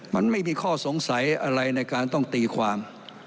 มันไม่มีข้อสงสัยอะไรในการต้องตีความ